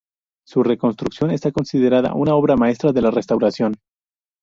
Su reconstrucción está considerada una obra maestra de la restauración.